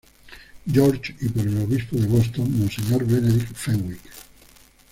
George, y por el obispo de Boston, monseñor Benedict Fenwick.